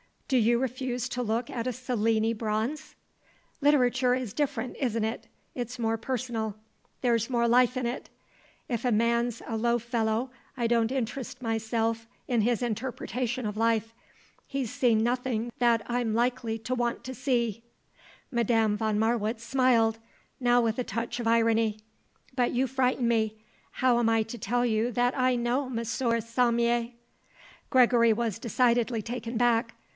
"Do you refuse to look at a Cellini bronze?" "Literature is different, isn't it? It's more personal. There's more life in it. If a man's a low fellow I don't interest myself in his interpretation of life. He's seen nothing that I'm likely to want to see." Madame von Marwitz smiled, now with a touch of irony. "But you frighten me. How am I to tell you that I know M. Saumier?" Gregory was decidedly taken back.